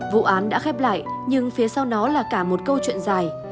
vụ án đã khép lại nhưng phía sau nó là cả một câu chuyện dài